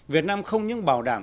việt nam không những bảo đảm